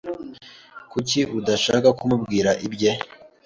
Kuki udashaka kumubwira ibye?